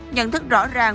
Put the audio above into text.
nhận thức rõ ràng